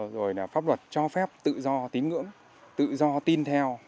rồi là pháp luật cho phép tự do tín ngưỡng tự do tin theo